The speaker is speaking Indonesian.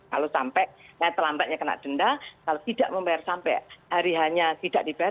kalau sampai terlambatnya kena denda kalau tidak membayar sampai hari hanya tidak dibayar